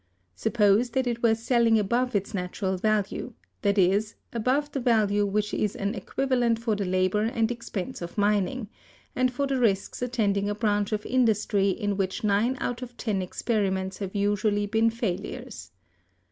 Suppose that it were selling above its natural value; that is, above the value which is an equivalent for the labor and expense of mining, and for the risks attending a branch of industry in which nine out of ten experiments have usually been failures.